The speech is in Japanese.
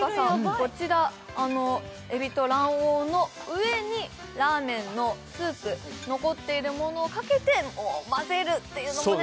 こちら海老と卵黄の上にラーメンのスープ残っているものをかけて混ぜるっていうのもね